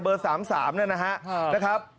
เบอร์๓๓นะครับ